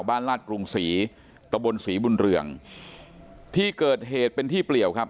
ลาดกรุงศรีตะบนศรีบุญเรืองที่เกิดเหตุเป็นที่เปลี่ยวครับ